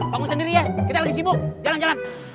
kamu sendiri ya kita lagi sibuk jalan jalan